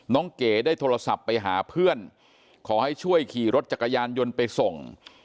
เก๋ได้โทรศัพท์ไปหาเพื่อนขอให้ช่วยขี่รถจักรยานยนต์ไปส่ง